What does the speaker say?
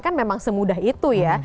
kan memang semudah itu ya